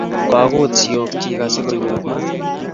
Kogut siok chik asi konyor maat